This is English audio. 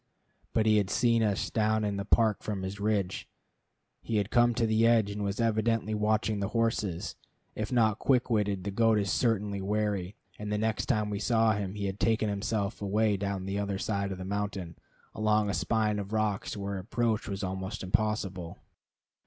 But he had seen us down in the park from his ridge. He had come to the edge, and was evidently watching the horses. If not quick witted, the goat is certainly wary; and the next time we saw him he had taken himself away down the other side of the mountain, along a spine of rocks where approach was almost impossible.